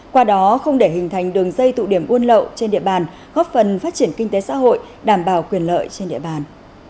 qua đó không để hình thành đường dây tụ điểm buôn lậu trên địa bàn góp phần phát triển kinh tế xã hội đảm bảo quyền lợi trên địa bàn